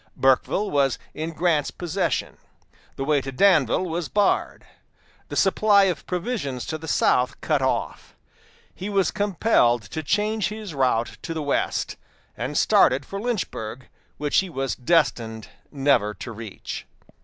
Burkeville was in Grant's possession; the way to Danville was barred; the supply of provisions to the south cut off. He was compelled to change his route to the west, and started for Lynchburg, which he was destined never to reach.